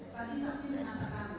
tadi saksi mengatakan